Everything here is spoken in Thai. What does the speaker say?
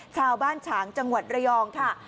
ชาวบ้านฉางจังหวัดระยองค่ะ